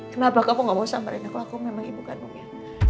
kenapa kamu ngomong sama rena kalau aku memang ibu kandungnya